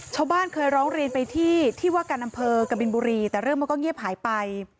ชาวบ้านเคยร้องเรียนไปที่ที่ว่าการอำเภอกบินบุรีแต่เรื่องมันก็เงียบหายไป